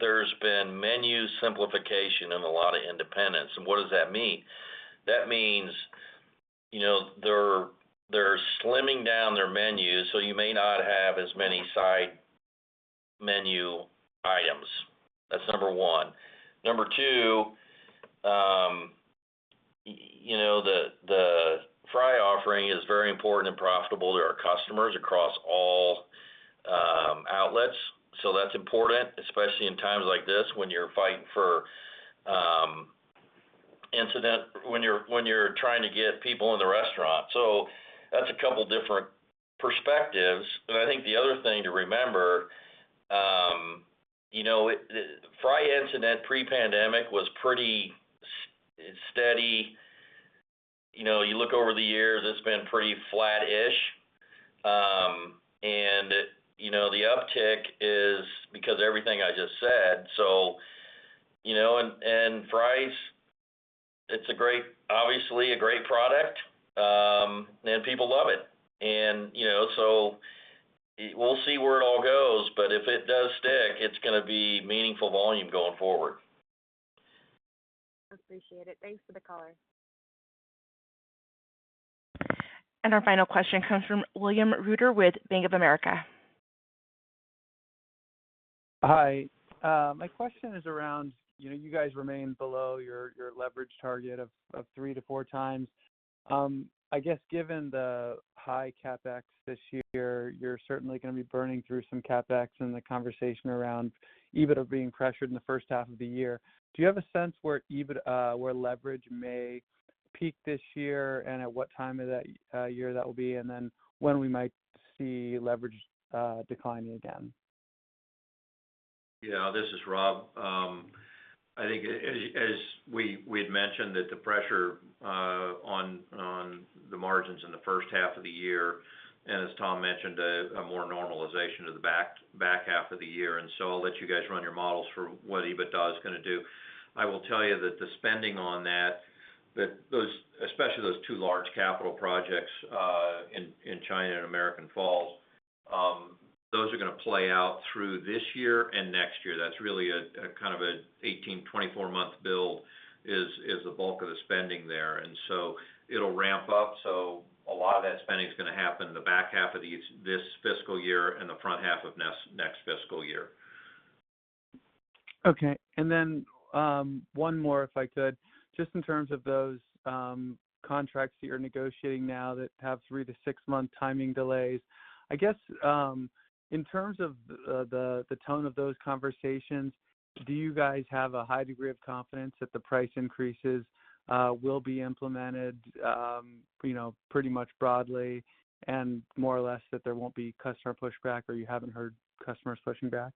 there's been menu simplification in a lot of independents. What does that mean? That means they're slimming down their menus, so you may not have as many side menu items. That's number one. Number two, the fry offering is very important and profitable to our customers across all outlets. That's important, especially in times like this when you're trying to get people in the restaurant. That's a couple different perspectives. I think the other thing to remember, fry incidence rate pre-pandemic was pretty steady. You look over the years, it's been pretty flat-ish. The uptick is because everything I just said. And fries, it's obviously a great product, and people love it. We'll see where it all goes, but if it does stick, it's going to be meaningful volume going forward. Appreciate it. Thanks for the color. Our final question comes from William Reuter with Bank of America. Hi. My question is around, you guys remain below your leverage target of three to four times. I guess given the high CapEx this year, you're certainly going to be burning through some CapEx and the conversation around EBITDA of being pressured in the first half of the year. Do you have a sense where leverage may peak this year, and at what time of that year that will be, and then when we might see leverage declining again? This is Rob. I think as we had mentioned that the pressure on the margins in the first half of the year, and as Tom mentioned, a more normalization of the back half of the year. I'll let you guys run your models for what EBITDA is going to do. I will tell you that the spending on that, especially those two large capital projects in China and American Falls, those are going to play out through this year and next year. That's really a kind of an 18 month-24 month build is the bulk of the spending there. It'll ramp up, so a lot of that spending is going to happen in the back half of this fiscal year and the front half of next fiscal year. Okay. One more, if I could. Just in terms of those contracts that you're negotiating now that have 3 month to 6 month timing delays. I guess, in terms of the tone of those conversations, do you guys have a high degree of confidence that the price increases will be implemented pretty much broadly and more or less that there won't be customer pushback, or you haven't heard customers pushing back?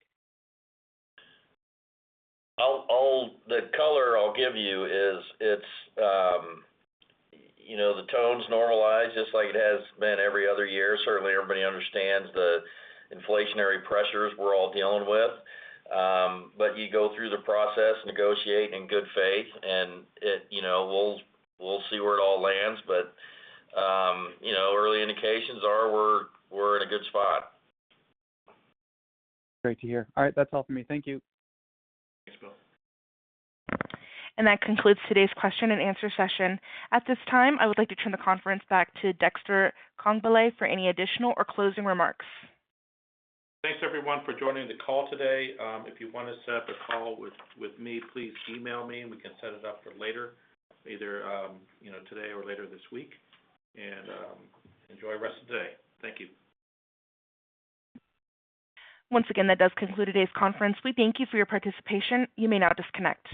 The color I'll give you is the tone's normalized, just like it has been every other year. Certainly, everybody understands the inflationary pressures we're all dealing with. You go through the process, negotiate in good faith, and we'll see where it all lands. Early indications are we're in a good spot. Great to hear. All right. That's all for me. Thank you. Thanks, Bill. That concludes today's question and answer session. At this time, I would like to turn the conference back to Dexter Congbalay for any additional or closing remarks. Thanks, everyone, for joining the call today. If you want to set up a call with me, please email me, and we can set it up for later, either today or later this week. Enjoy the rest of the day. Thank you. Once again, that does conclude today's conference. We thank you for your participation. You may now disconnect.